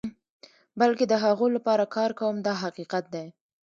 بلکې د هغو لپاره کار کوم دا حقیقت دی.